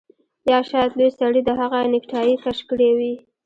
یا شاید لوی سړي د هغه نیکټايي کش کړې وي